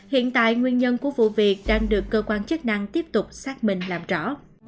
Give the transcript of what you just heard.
hiện tại nguyên nhân của vụ việc đang được cơ quan chức năng tiếp tục xác minh làm rõ